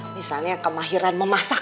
misalnya kemahiran memasak